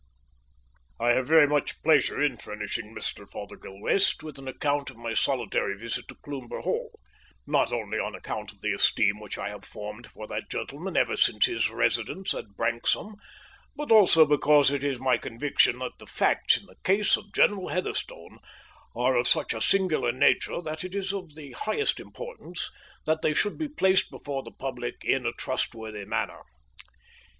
I have very much pleasure in furnishing Mr. Fothergill West with an account of my solitary visit to Cloomber Hall, not only on account of the esteem which I have formed for that gentleman ever since his residence at Branksome, but also because it is my conviction that the facts in the case of General Heatherstone are of such a singular nature that it is of the highest importance that they should be placed before the public in a trustworthy manner.